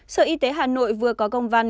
sở y tế hà nội vừa có công văn